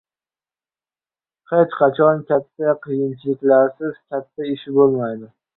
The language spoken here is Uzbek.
Hech qachon katta qiyinchiliksiz katta ish bo‘lmaydi.